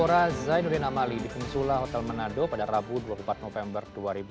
mora zainuddin amali di pensula hotel manado pada rabu dua puluh empat november dua ribu dua puluh